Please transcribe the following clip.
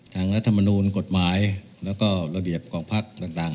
ทางรัฐมณูนกฎหมายและระเบียบกล่องภาคต่าง